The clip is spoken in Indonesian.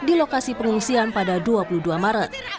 di lokasi pengungsian pada dua puluh dua maret